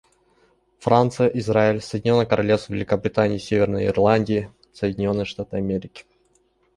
Франция, Израиль, Соединенное Королевство Великобритании и Северной Ирландии, Соединенные Штаты Америки.